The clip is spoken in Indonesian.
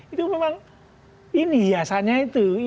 itu memang ini hiasannya itu